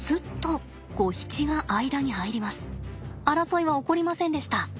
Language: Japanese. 争いは起こりませんでした。